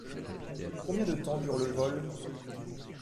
Combien de temps dure le vol ?